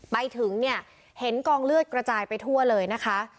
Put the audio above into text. ไปถึงเนี่ยเห็นกองเลือดกระจายไปทั่วเลยนะคะ